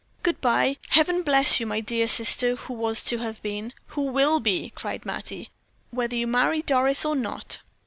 Good bye! Heaven bless you, my dear sister who was to have been " "Who will be," cried Mattie, "whether you marry Doris or not!"